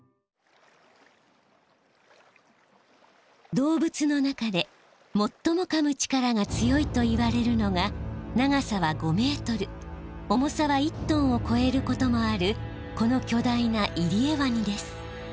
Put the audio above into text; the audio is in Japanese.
動物の中でもっともかむ力が強いといわれるのが長さは５メートル重さは１トンをこえることもあるこのきょ大なイリエワニです。